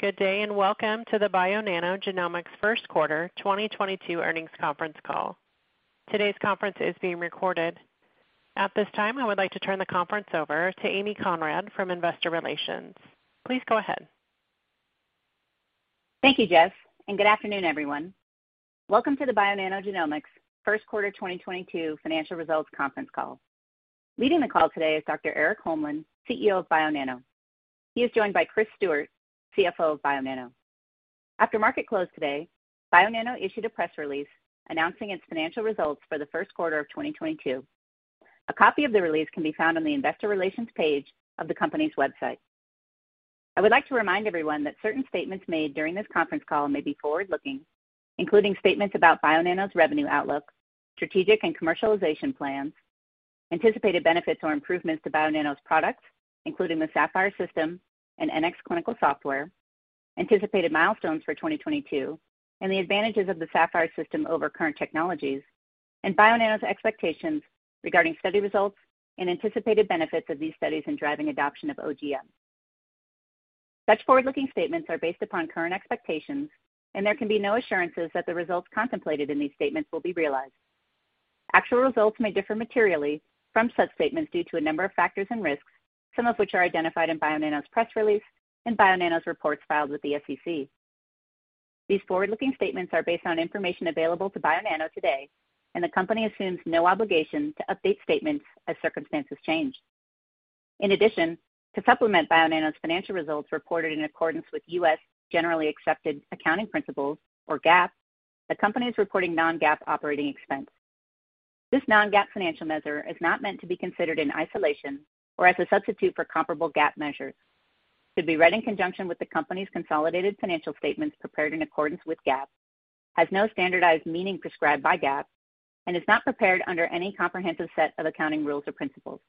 Good day, and Welcome to the Bionano Genomics first quarter 2022 earnings conference call. Today's conference is being recorded. At this time, I would like to turn the conference over to Amy Conrad from Investor Relations. Please go ahead. Thank you, Jess, and good afternoon, everyone. Welcome to the Bionano Genomics first quarter 2022 financial results conference call. Leading the call today is Dr. Erik Holmlin, CEO of Bionano. He is joined by Chris Stewart, CFO of Bionano. After market close today, Bionano issued a press release announcing its financial results for the first quarter of 2022. A copy of the release can be found on the investor relations page of the company's website. I would like to remind everyone that certain statements made during this conference call may be forward-looking, including statements about Bionano's revenue outlook, strategic and commercialization plans, anticipated benefits or improvements to Bionano's products, including the Saphyr system and NxClinical software, anticipated milestones for 2022, and the advantages of the Saphyr system over current technologies, and Bionano's expectations regarding study results and anticipated benefits of these studies in driving adoption of OGM. Such forward-looking statements are based upon current expectations, and there can be no assurances that the results contemplated in these statements will be realized. Actual results may differ materially from such statements due to a number of factors and risks, some of which are identified in Bionano's press release and Bionano's reports filed with the SEC. These forward-looking statements are based on information available to Bionano today, and the company assumes no obligation to update statements as circumstances change. In addition, to supplement Bionano's financial results reported in accordance with U.S. generally accepted accounting principles, or GAAP, the company is reporting non-GAAP operating expense. This non-GAAP financial measure is not meant to be considered in isolation or as a substitute for comparable GAAP measures. It should be read in conjunction with the company's consolidated financial statements prepared in accordance with GAAP. It has no standardized meaning prescribed by GAAP, and is not prepared under any comprehensive set of accounting rules or principles.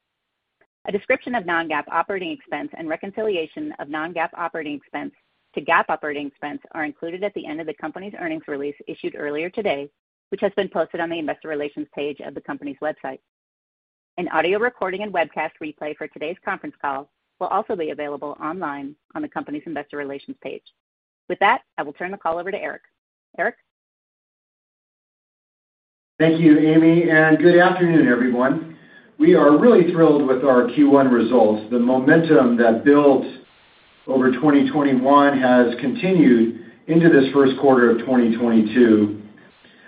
A description of non-GAAP operating expense and reconciliation of non-GAAP operating expense to GAAP operating expense are included at the end of the company's earnings release issued earlier today, which has been posted on the investor relations page of the company's website. An audio recording and webcast replay for today's conference call will also be available online on the company's investor relations page. With that, I will turn the call over to Erik. Erik? Thank you, Amy, and good afternoon, everyone. We are really thrilled with our Q1 results. The momentum that built over 2021 has continued into this first quarter of 2022.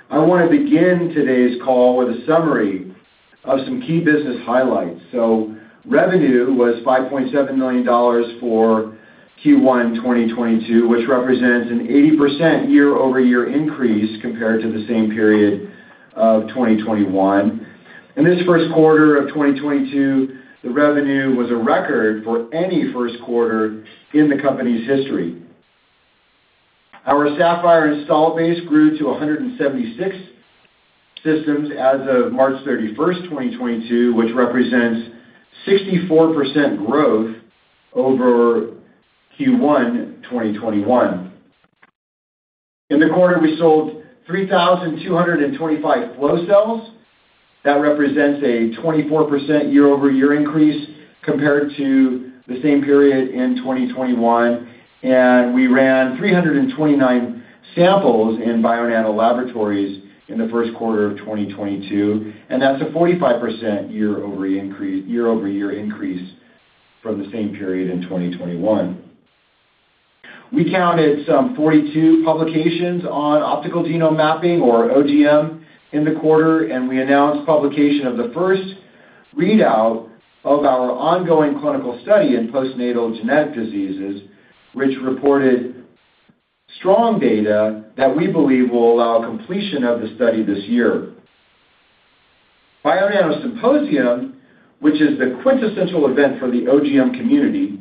I want to begin today's call with a summary of some key business highlights. Revenue was $5.7 million for Q1 2022, which represents an 80% year-over-year increase compared to the same period of 2021. In this first quarter of 2022, the revenue was a record for any first quarter in the company's history. Our Saphyr installed base grew to 176 systems as of March 31st, 2022, which represents 64% growth over Q1 2021. In the quarter, we sold 3,225 flow cells. That represents a 24% year-over-year increase compared to the same period in 2021, and we ran 329 samples in Bionano Laboratories in the first quarter of 2022, and that's a 45% year-over-year increase from the same period in 2021. We counted some 42 publications on optical genome mapping or OGM in the quarter, and we announced publication of the first readout of our ongoing clinical study in postnatal genetic diseases, which reported strong data that we believe will allow completion of the study this year. Bionano Symposium, which is the quintessential event for the OGM community,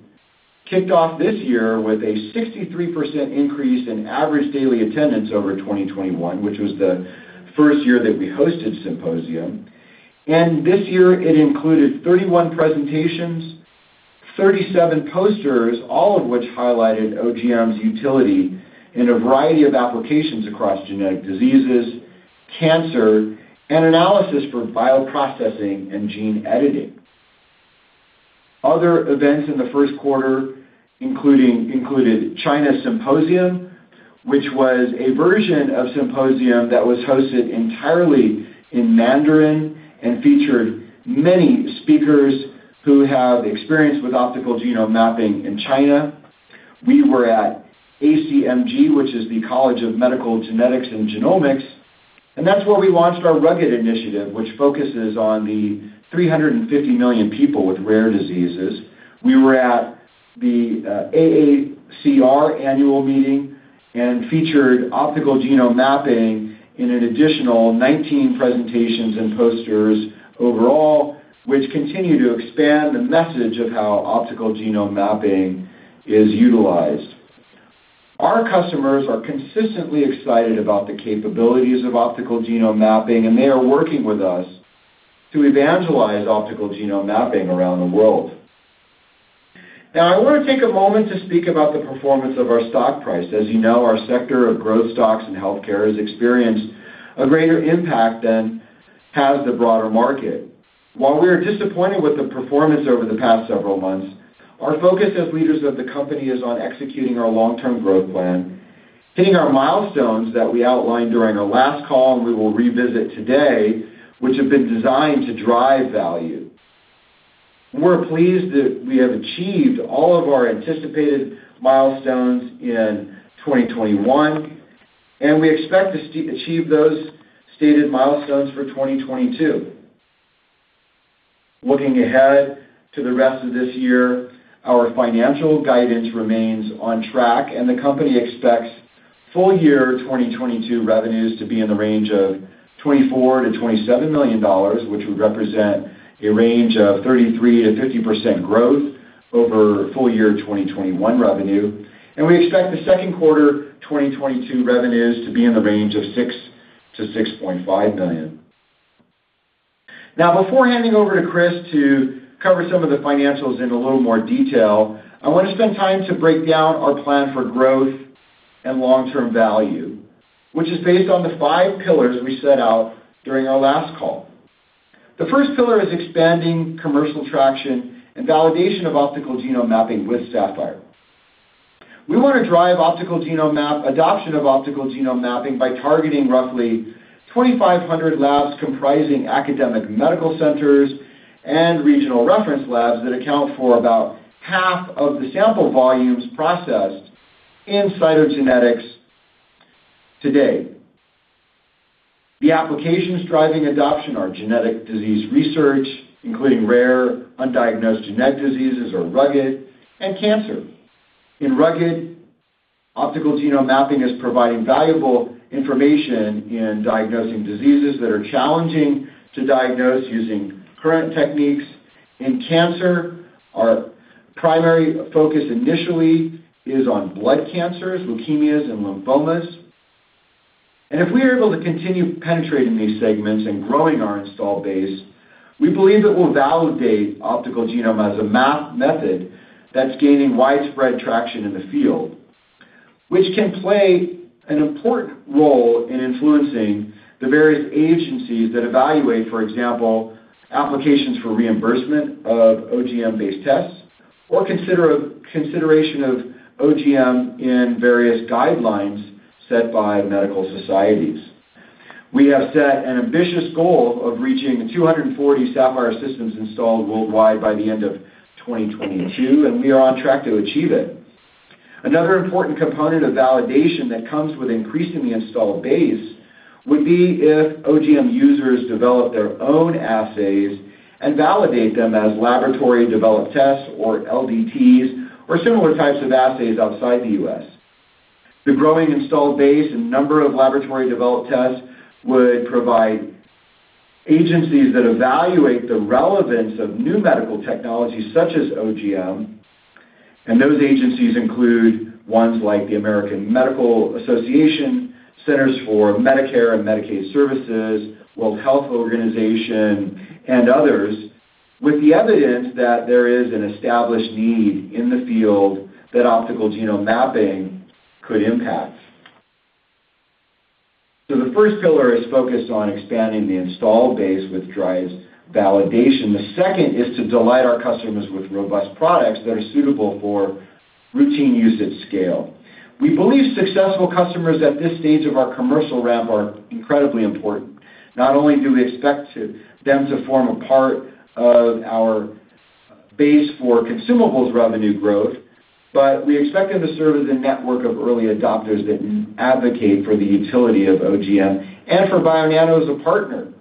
kicked off this year with a 63% increase in average daily attendance over 2021, which was the first year that we hosted Symposium. This year it included 31 presentations, 37 posters, all of which highlighted OGM's utility in a variety of applications across genetic diseases, cancer, and analysis for bioprocessing and gene editing. Other events in the first quarter included China Symposium, which was a version of Symposium that was hosted entirely in Mandarin and featured many speakers who have experience with optical genome mapping in China. We were at ACMG, which is the American College of Medical Genetics and Genomics, and that's where we launched our RUGD initiative, which focuses on the 350 million people with rare diseases. We were at the AACR annual meeting and featured optical genome mapping in an additional 19 presentations and posters overall, which continue to expand the message of how optical genome mapping is utilized. Our customers are consistently excited about the capabilities of optical genome mapping, and they are working with us to evangelize optical genome mapping around the world. Now, I want to take a moment to speak about the performance of our stock price. As you know, our sector of growth stocks and healthcare has experienced a greater impact than has the broader market. While we are disappointed with the performance over the past several months, our focus as leaders of the company is on executing our long-term growth plan, hitting our milestones that we outlined during our last call, and we will revisit today, which have been designed to drive value. We're pleased that we have achieved all of our anticipated milestones in 2021, and we expect to achieve those stated milestones for 2022. Looking ahead to the rest of this year, our financial guidance remains on track, and the company expects full year 2022 revenues to be in the range of $24 million-$27 million, which would represent a range of 33%-50% growth over full year 2021 revenue. We expect the second quarter 2022 revenues to be in the range of $6 million-$6.5 million. Now, before handing over to Chris to cover some of the financials in a little more detail, I want to spend time to break down our plan for growth and long-term value, which is based on the five pillars we set out during our last call. The first pillar is expanding commercial traction and validation of optical genome mapping with Saphyr. We want to drive optical genome mapping adoption of optical genome mapping by targeting roughly 2,500 labs comprising academic medical centers and regional reference labs that account for about half of the sample volumes processed in cytogenetics today. The applications driving adoption are genetic disease research, including rare undiagnosed genetic diseases or RUGD and cancer. In RUGD, optical genome mapping is providing valuable information in diagnosing diseases that are challenging to diagnose using current techniques. In cancer, our primary focus initially is on blood cancers, leukemias, and lymphomas. If we are able to continue penetrating these segments and growing our installed base, we believe it will validate optical genome mapping as a method that's gaining widespread traction in the field, which can play an important role in influencing the various agencies that evaluate, for example, applications for reimbursement of OGM-based tests or consideration of OGM in various guidelines set by medical societies. We have set an ambitious goal of reaching 240 Saphyr systems installed worldwide by the end of 2022, and we are on track to achieve it. Another important component of validation that comes with increasing the installed base would be if OGM users develop their own assays and validate them as laboratory-developed tests, or LDTs, or similar types of assays outside the U.S. The growing installed base and number of laboratory-developed tests would provide agencies that evaluate the relevance of new medical technologies such as OGM, and those agencies include ones like the American Medical Association, Centers for Medicare & Medicaid Services, World Health Organization, and others, with the evidence that there is an established need in the field that optical genome mapping could impact. The first pillar is focused on expanding the installed base, which drives validation. The second is to delight our customers with robust products that are suitable for routine use at scale. We believe successful customers at this stage of our commercial ramp are incredibly important. Not only do we expect them to form a part of our base for consumables revenue growth, but we expect them to serve as a network of early adopters that advocate for the utility of OGM and for Bionano as a partner.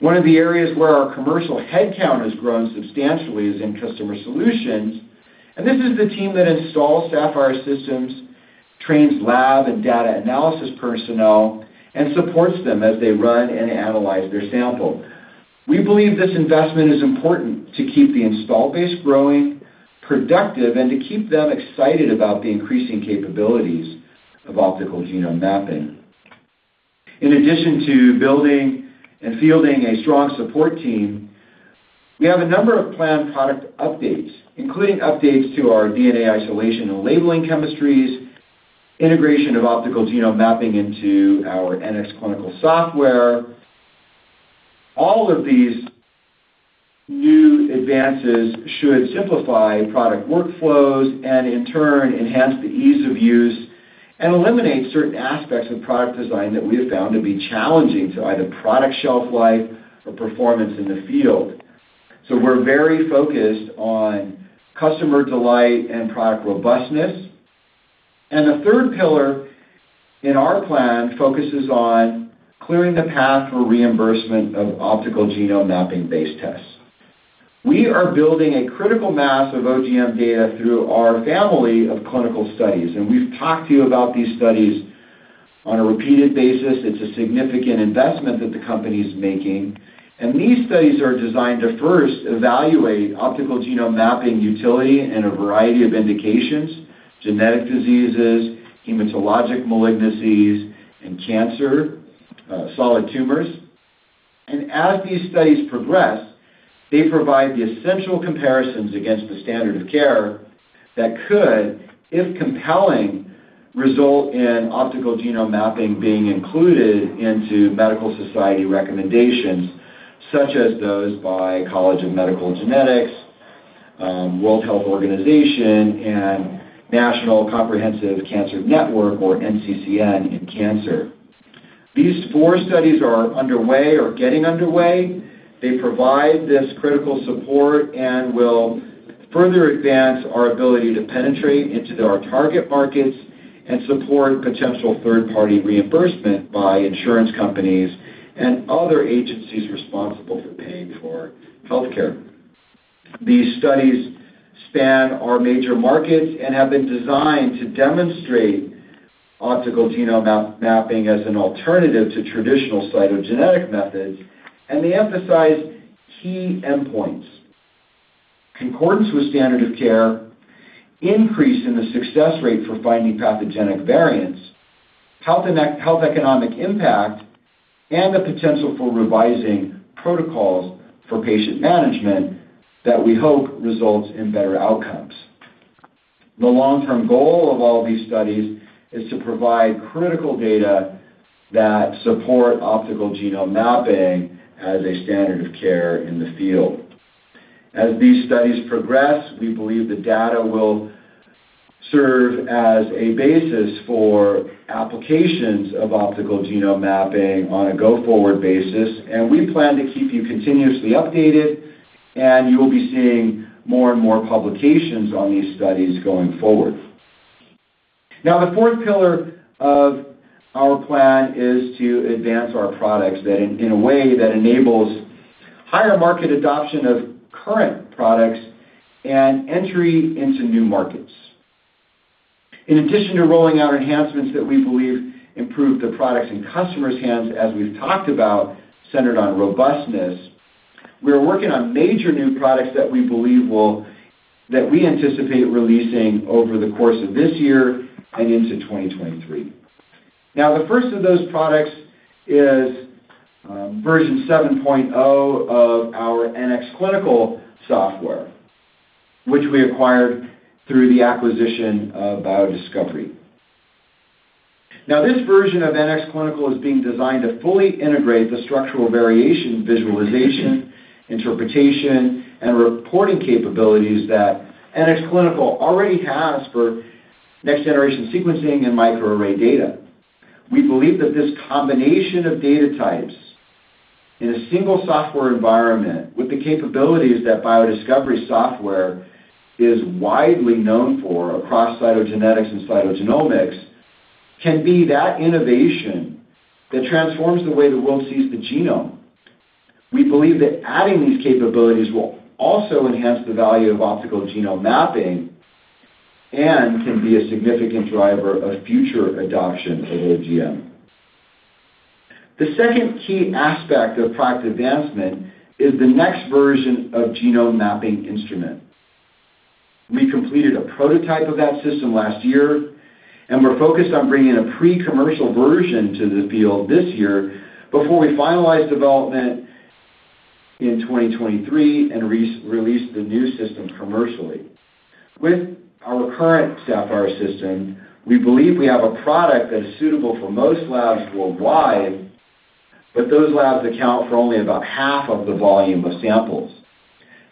One of the areas where our commercial headcount has grown substantially is in customer solutions, and this is the team that installs Saphyr systems, trains lab and data analysis personnel, and supports them as they run and analyze their sample. We believe this investment is important to keep the installed base growing, productive, and to keep them excited about the increasing capabilities of optical genome mapping. In addition to building and fielding a strong support team, we have a number of planned product updates, including updates to our DNA isolation and labeling chemistries, integration of optical genome mapping into our NxClinical software. All of these new advances should simplify product workflows and, in turn, enhance the ease of use and eliminate certain aspects of product design that we have found to be challenging to either product shelf life or performance in the field. We're very focused on customer delight and product robustness. The third pillar in our plan focuses on clearing the path for reimbursement of optical genome mapping-based tests. We are building a critical mass of OGM data through our family of clinical studies, and we've talked to you about these studies on a repeated basis. It's a significant investment that the company is making. These studies are designed to first evaluate optical genome mapping utility in a variety of indications, genetic diseases, hematologic malignancies, and cancer, solid tumors. As these studies progress. They provide the essential comparisons against the standard of care that could, if compelling, result in optical genome mapping being included into medical society recommendations, such as those by American College of Medical Genetics and Genomics, World Health Organization, and National Comprehensive Cancer Network, or NCCN, in cancer. These four studies are underway or getting underway. They provide this critical support and will further advance our ability to penetrate into our target markets and support potential third-party reimbursement by insurance companies and other agencies responsible for paying for healthcare. These studies span our major markets and have been designed to demonstrate optical genome mapping as an alternative to traditional cytogenetic methods, and they emphasize key endpoints, concordance with standard of care, increase in the success rate for finding pathogenic variants, health economic impact, and the potential for revising protocols for patient management that we hope results in better outcomes. The long-term goal of all these studies is to provide critical data that support optical genome mapping as a standard of care in the field. As these studies progress, we believe the data will serve as a basis for applications of optical genome mapping on a go-forward basis, and we plan to keep you continuously updated, and you will be seeing more and more publications on these studies going forward. Now, the fourth pillar of our plan is to advance our products in a way that enables higher market adoption of current products and entry into new markets. In addition to rolling out enhancements that we believe improve the products in customers' hands, as we've talked about, centered on robustness, we are working on major new products that we anticipate releasing over the course of this year and into 2023. Now, the first of those products is Version 7.0 of our NxClinical software, which we acquired through the acquisition of BioDiscovery. Now, this version of NxClinical is being designed to fully integrate the structural variation visualization, interpretation, and reporting capabilities that NxClinical already has for next-generation sequencing and microarray data. We believe that this combination of data types in a single software environment with the capabilities that BioDiscovery software is widely known for across cytogenetics and cytogenomics can be that innovation that transforms the way the world sees the genome. We believe that adding these capabilities will also enhance the value of optical genome mapping and can be a significant driver of future adoption of OGM. The second key aspect of product advancement is the next version of genome mapping instrument. We completed a prototype of that system last year, and we're focused on bringing a pre-commercial version to the field this year before we finalize development in 2023 and release the new systems commercially. With our current Saphyr system, we believe we have a product that is suitable for most labs worldwide, but those labs account for only about half of the volume of samples.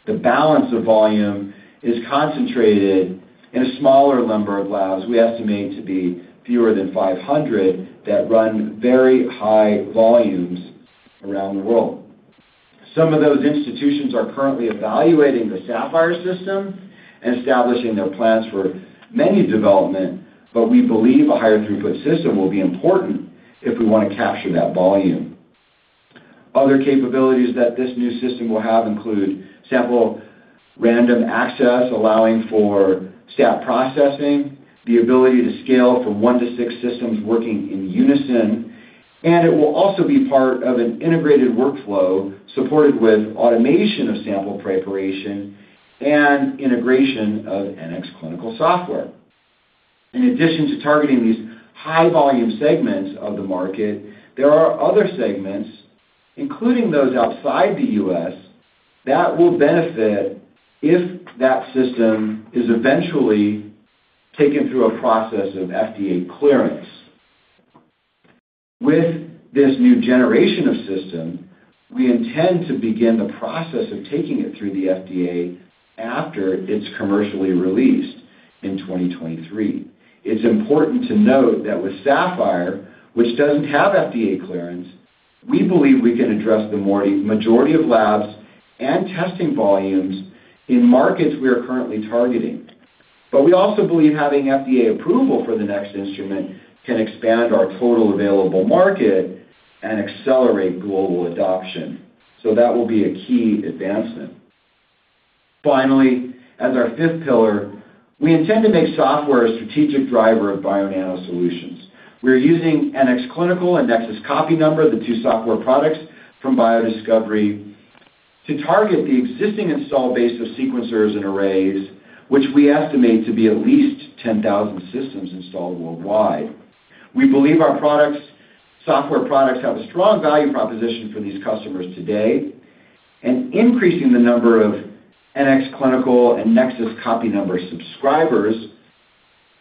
The balance of volume is concentrated in a smaller number of labs we estimate to be fewer than 500 that run very high volumes around the world. Some of those institutions are currently evaluating the Saphyr system and establishing their plans for menu development, but we believe a higher throughput system will be important if we want to capture that volume. Other capabilities that this new system will have include sample random access, allowing for stat processing, the ability to scale from one to six systems working in unison, and it will also be part of an integrated workflow supported with automation of sample preparation and integration of NxClinical software. In addition to targeting these high-volume segments of the market, there are other segments, including those outside the US, that will benefit if that system is eventually taken through a process of FDA clearance. With this new generation of system, we intend to begin the process of taking it through the FDA after it's commercially released in 2023. It's important to note that with Saphyr, which doesn't have FDA clearance, we believe we can address the majority of labs and testing volumes in markets we are currently targeting. We also believe having FDA approval for the next instrument can expand our total available market and accelerate global adoption. That will be a key advancement. Finally, as our fifth pillar, we intend to make software a strategic driver of Bionano solutions. We are using NxClinical and Nexus Copy Number, the two software products from BioDiscovery, to target the existing install base of sequencers and arrays, which we estimate to be at least 10,000 systems installed worldwide. We believe our products, software products have a strong value proposition for these customers today, and increasing the number of NxClinical and Nexus Copy Number subscribers,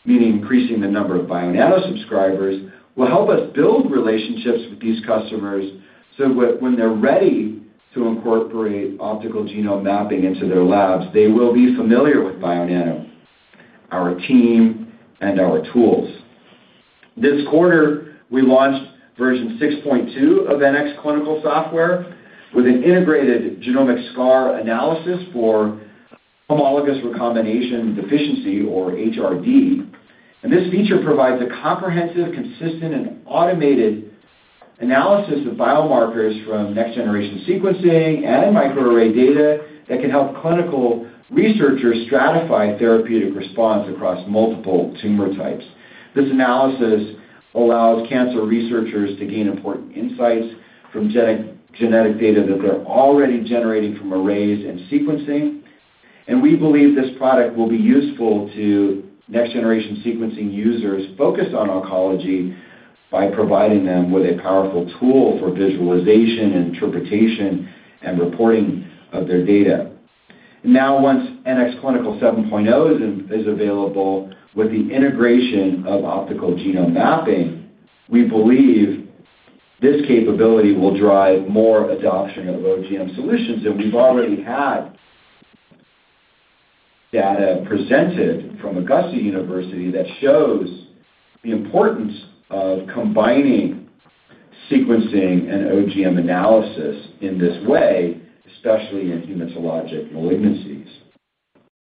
meaning increasing the number of Bionano subscribers, will help us build relationships with these customers, so when they're ready to incorporate optical genome mapping into their labs, they will be familiar with Bionano, our team, and our tools. This quarter, we launched version 6.2 of NxClinical software with an integrated genomic scar analysis for homologous recombination deficiency or HRD. This feature provides a comprehensive, consistent, and automated analysis of biomarkers from next-generation sequencing and microarray data that can help clinical researchers stratify therapeutic response across multiple tumor types. This analysis allows cancer researchers to gain important insights from genetic data that they're already generating from arrays and sequencing. We believe this product will be useful to next-generation sequencing users focused on oncology by providing them with a powerful tool for visualization, interpretation, and reporting of their data. Now, once NxClinical 7.0 is available with the integration of optical genome mapping, we believe this capability will drive more adoption of OGM solutions than we've already had data presented from Augusta University that shows the importance of combining sequencing and OGM analysis in this way, especially in hematologic malignancies.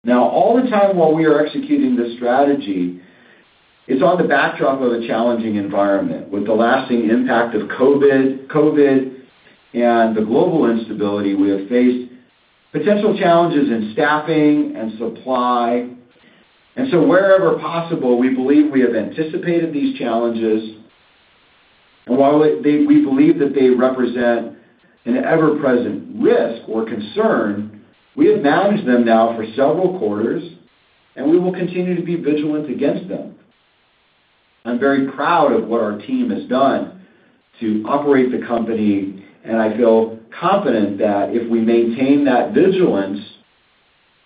Now, all the time while we are executing this strategy, it's on the backdrop of a challenging environment. With the lasting impact of COVID and the global instability, we have faced potential challenges in staffing and supply. Wherever possible, we believe we have anticipated these challenges. While we believe that they represent an ever-present risk or concern, we have managed them now for several quarters, and we will continue to be vigilant against them. I'm very proud of what our team has done to operate the company, and I feel confident that if we maintain that vigilance,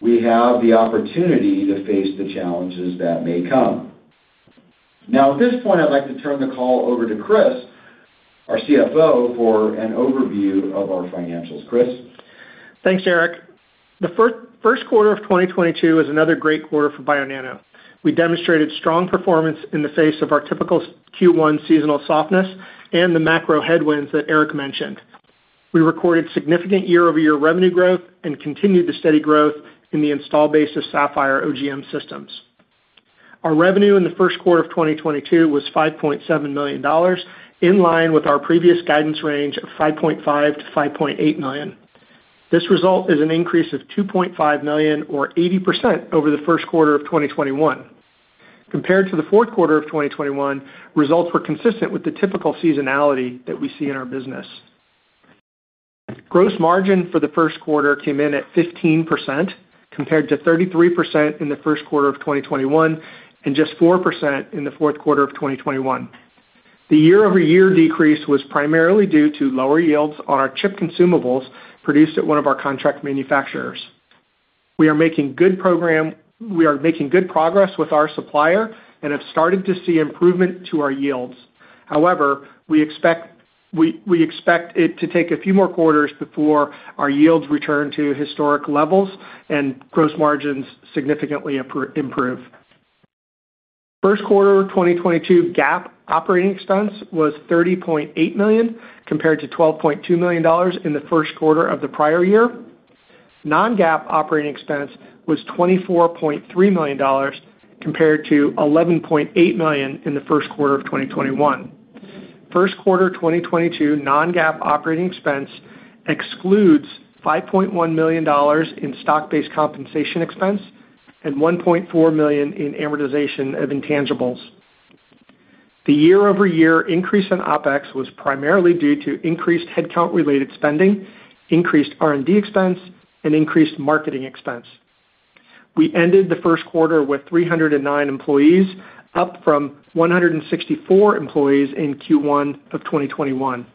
we have the opportunity to face the challenges that may come. Now, at this point, I'd like to turn the call over to Chris, our CFO, for an overview of our financials. Chris? Thanks, Erik. The first quarter of 2022 is another great quarter for Bionano. We demonstrated strong performance in the face of our typical Q1 seasonal softness and the macro headwinds that Erik mentioned. We recorded significant year-over-year revenue growth and continued the steady growth in the install base of Saphyr OGM systems. Our revenue in the first quarter of 2022 was $5.7 million, in line with our previous guidance range of $5.5 million-$5.8 million. This result is an increase of $2.5 million or 80% over the first quarter of 2021. Compared to the fourth quarter of 2021, results were consistent with the typical seasonality that we see in our business. Gross margin for the first quarter came in at 15%, compared to 33% in the first quarter of 2021, and just 4% in the fourth quarter of 2021. The year-over-year decrease was primarily due to lower yields on our chip consumables produced at one of our contract manufacturers. We are making good progress with our supplier and have started to see improvement to our yields. However, we expect it to take a few more quarters before our yields return to historic levels and gross margins significantly improve. First quarter of 2022, GAAP operating expense was $30.8 million, compared to $12.2 million in the first quarter of the prior year. Non-GAAP operating expense was $24.3 million, compared to $11.8 million in the first quarter of 2021. First quarter of 2022, non-GAAP operating expense excludes $5.1 million in stock-based compensation expense and $1.4 million in amortization of intangibles. The year-over-year increase in OpEx was primarily due to increased headcount-related spending, increased R&D expense, and increased marketing expense. We ended the first quarter with 309 employees, up from 164 employees in Q1 of 2021.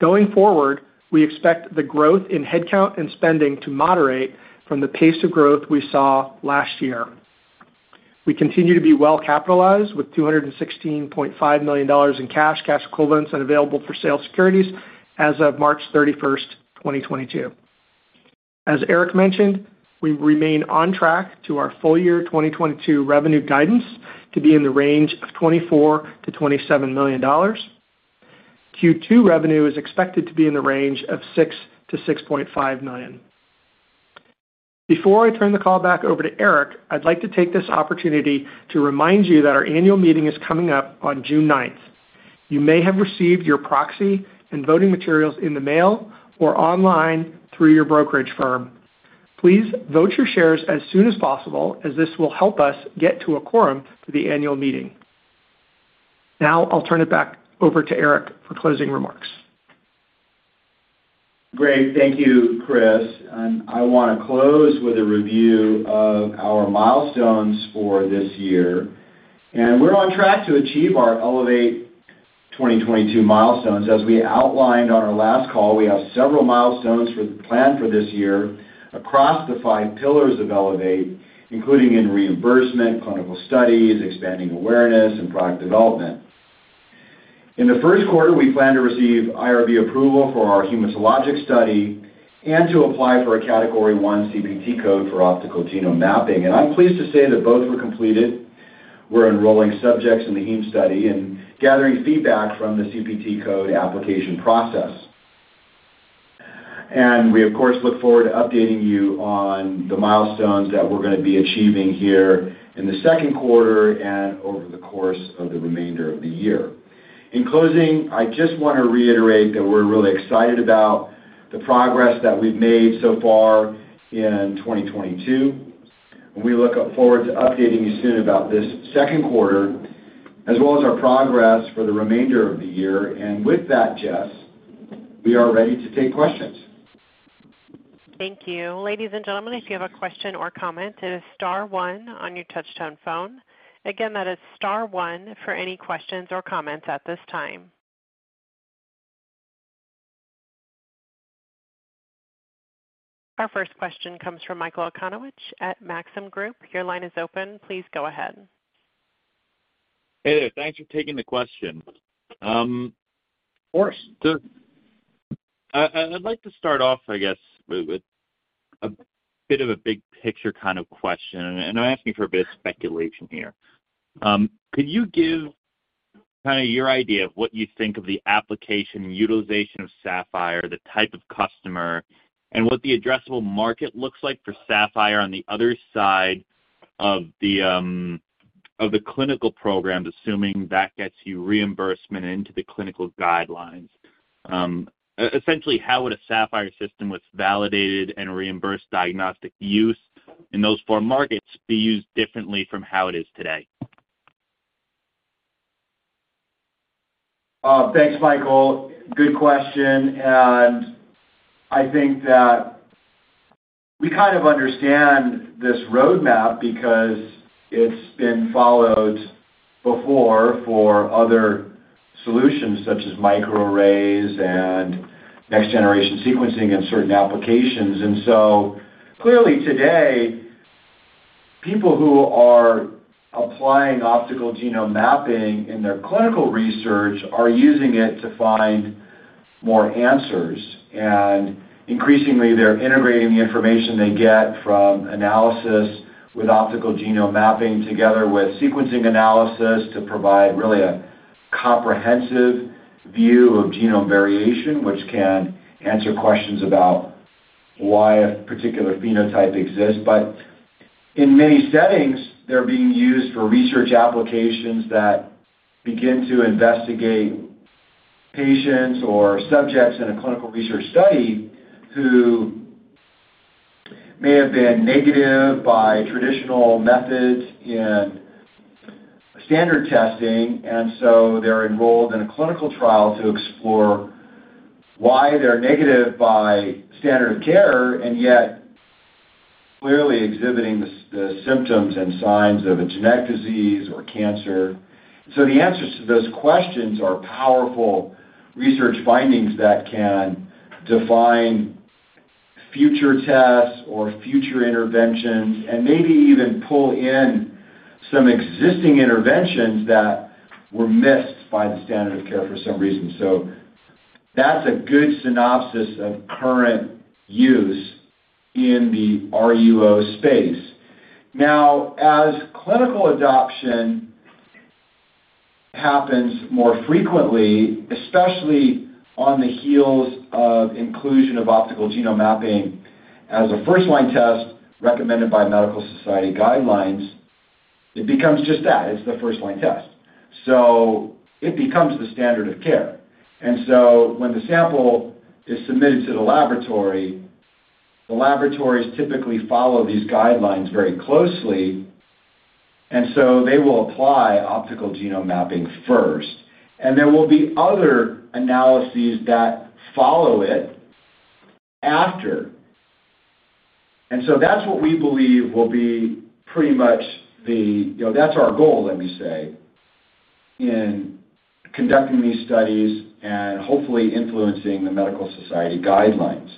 Going forward, we expect the growth in headcount and spending to moderate from the pace of growth we saw last year. We continue to be well-capitalized with $216.5 million in cash equivalents, and available-for-sale securities as of March 31st, 2022. As Erik mentioned, we remain on track to our full year 2022 revenue guidance to be in the range of $24 million-$27 million. Q2 revenue is expected to be in the range of $6 million-$6.5 million. Before I turn the call back over to Erik, I'd like to take this opportunity to remind you that our annual meeting is coming up on June 9th. You may have received your proxy and voting materials in the mail or online through your brokerage firm. Please vote your shares as soon as possible, as this will help us get to a quorum for the annual meeting. Now, I'll turn it back over to Erik for closing remarks. Great. Thank you, Chris. I want to close with a review of our milestones for this year. We're on track to achieve our ELEVATE! 2022 milestones. As we outlined on our last call, we have several milestones planned for this year across the five pillars of ELEVATE!, including in reimbursement, clinical studies, expanding awareness, and product development. In the first quarter, we plan to receive IRB approval for our hematologic study and to apply for a category one CPT code for optical genome mapping. I'm pleased to say that both were completed. We're enrolling subjects in the heme study and gathering feedback from the CPT code application process. We of course look forward to updating you on the milestones that we're going to be achieving here in the second quarter and over the course of the remainder of the year. In closing, I just want to reiterate that we're really excited about the progress that we've made so far in 2022, and we look forward to updating you soon about this second quarter as well as our progress for the remainder of the year. With that, Jess, we are ready to take questions. Thank you. Ladies and gentlemen, if you have a question or comment, it is star one on your touch-tone phone. Again, that is star one for any questions or comments at this time. Our first question comes from Michael Okunewitch at Maxim Group. Your line is open. Please go ahead. Hey there. Thanks for taking the question. Of course. I'd like to start off with a bit of a big picture kind of question, I'm now asking for a bit of speculation here. Could you give kind of your idea of what you think of the application utilization of Saphyr, the type of customer, and what the addressable market looks like for Saphyr on the other side of the clinical programs, assuming that gets you reimbursement into the clinical guidelines? Essentially, how would a Saphyr system with validated and reimbursed diagnostic use in those four markets be used differently from how it is today? Thanks, Michael. Good question. I think that we kind of understand this roadmap because it's been followed before for other solutions such as microarrays and next-generation sequencing and certain applications. Clearly today, people who are applying optical genome mapping in their clinical research are using it to find more answers. Increasingly, they're integrating the information they get from analysis with optical genome mapping together with sequencing analysis to provide really a comprehensive view of genome variation, which can answer questions about why a particular phenotype exists. In many settings, they're being used for research applications that begin to investigate patients or subjects in a clinical research study who may have been negative by traditional methods in standard testing, and so they're enrolled in a clinical trial to explore why they're negative by standard of care, and yet clearly exhibiting the symptoms and signs of a genetic disease or cancer. The answers to those questions are powerful research findings that can define future tests or future interventions, and maybe even pull in some existing interventions that were missed by the standard of care for some reason. That's a good synopsis of current use in the RUO space. Now, as clinical adoption happens more frequently, especially on the heels of inclusion of optical genome mapping as a first-line test recommended by medical society guidelines, it becomes just that. It's the first-line test. It becomes the standard of care. When the sample is submitted to the laboratory, the laboratories typically follow these guidelines very closely, and so they will apply optical genome mapping first. There will be other analyses that follow it after. That's what we believe will be pretty much the, you know, that's our goal, let me say, in conducting these studies and hopefully influencing the medical society guidelines.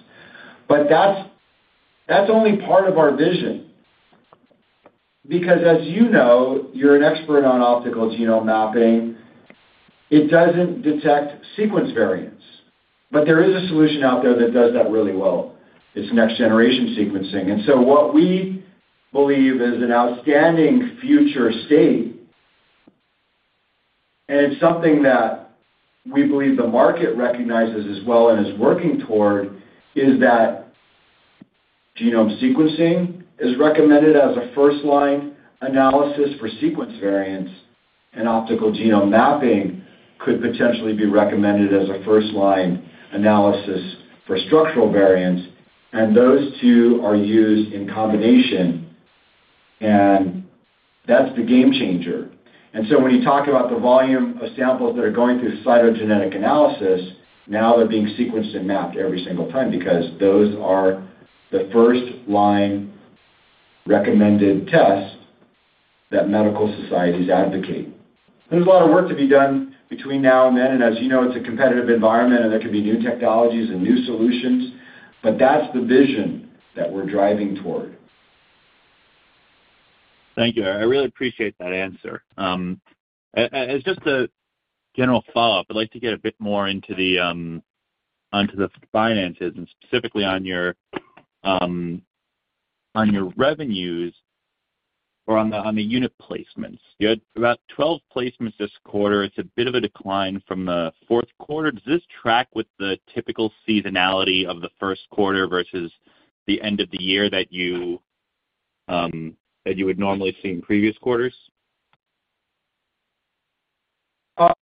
That's only part of our vision. As you know, you're an expert on optical genome mapping. It doesn't detect sequence variants. There is a solution out there that does that really well. It's next-generation sequencing. What we believe is an outstanding future state, and it's something that we believe the market recognizes as well and is working toward, is that genome sequencing is recommended as a first-line analysis for sequence variants, and optical genome mapping could potentially be recommended as a first-line analysis for structural variants. Those two are used in combination. That's the game changer. When you talk about the volume of samples that are going through cytogenetic analysis, now they're being sequenced and mapped every single time because those are the first-line recommended tests that medical societies advocate. There's a lot of work to be done between now and then. As you know, it's a competitive environment, and there could be new technologies and new solutions, but that's the vision that we're driving toward. Thank you. I really appreciate that answer. As just a general follow-up, I'd like to get a bit more into the onto the finances and specifically on your on your revenues or on the unit placements. You had about 12 placements this quarter. It's a bit of a decline from the fourth quarter. Does this track with the typical seasonality of the first quarter versus the end of the year that you would normally see in previous quarters?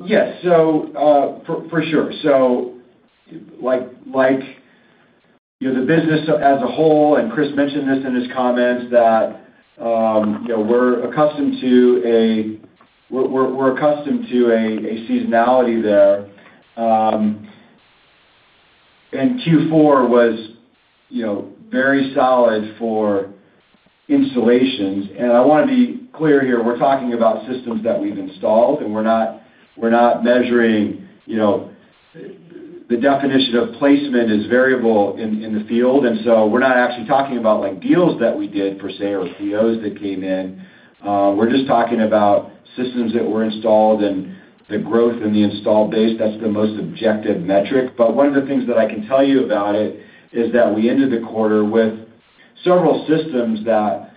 Yes, for sure. Like, you know, the business as a whole, and Chris mentioned this in his comments that, you know, we're accustomed to a seasonality there. Q4 was, you know, very solid for installations. I wanna be clear here, we're talking about systems that we've installed, and we're not measuring, you know, the definition of placement is variable in the field. We're not actually talking about like deals that we did per se or POs that came in. We're just talking about systems that were installed and the growth in the installed base. That's the most objective metric. One of the things that I can tell you about it is that we ended the quarter with several systems that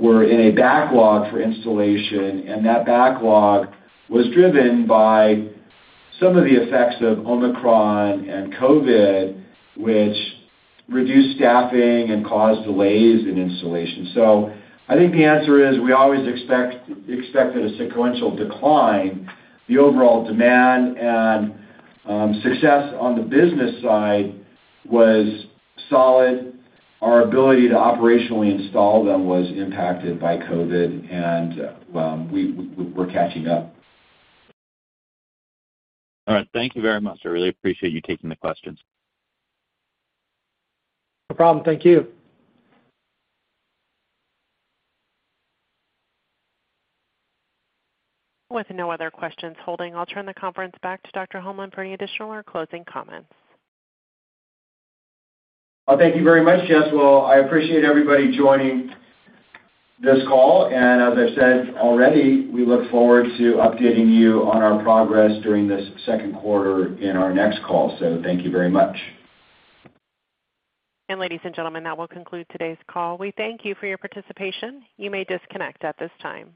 were in a backlog for installation, and that backlog was driven by some of the effects of Omicron and COVID, which reduced staffing and caused delays in installation. I think the answer is we always expected a sequential decline. The overall demand and success on the business side was solid. Our ability to operationally install them was impacted by COVID, and we're catching up. All right. Thank you very much, sir. Really appreciate you taking the questions. No problem. Thank you. With no other questions holding, I'll turn the conference back to Dr. Erik Holmlin for any additional or closing comments. Oh, thank you very much, Jess. Well, I appreciate everybody joining this call, and as I said already, we look forward to updating you on our progress during this second quarter in our next call. Thank you very much. Ladies and gentlemen, that will conclude today's call. We thank you for your participation. You may disconnect at this time.